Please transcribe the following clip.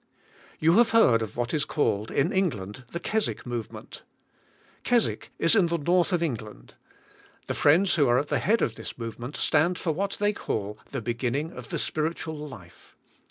You have heard of what is called, in England, the Keswick Movement. Keswick is in the north of England. The friends who are at the head of this movement stand for what they call the beginning of the spiritual life.